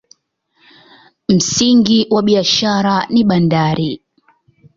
Msingi wa biashara ni bandari.